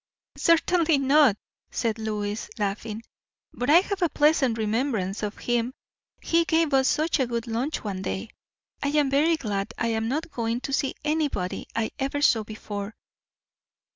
"Certainly not," said Lois, laughing. "But I have a pleasant remembrance of him, he gave us such a good lunch one day. I am very glad I am not going to see anybody I ever saw before.